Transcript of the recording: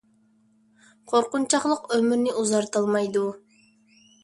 قورقۇنچاقلىق ئۆمۈرنى ئۇزارتالمايدۇ